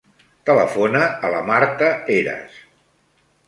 Telefona a la Marta Heras.